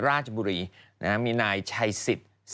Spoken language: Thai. ราชบุรีมีนายชายสิต